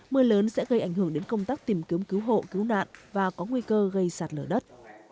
mưa lớn sẽ gây ảnh hưởng đến công tác tìm kiếm cứu hộ cứu nạn và có nguy cơ gây sạt lở đất